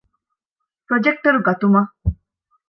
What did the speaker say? ޕްރޮޖެކްޓަރު ގަތުމަށް